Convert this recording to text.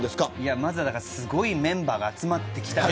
まずは、すごいメンバーが集まってきたなと。